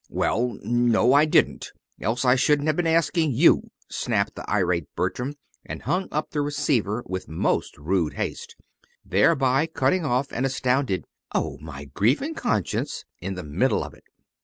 "Well, no, I didn't else I shouldn't have been asking you," snapped the irate Bertram and hung up the receiver with most rude haste, thereby cutting off an astounded "Oh, my grief and conscience!" in the middle of it.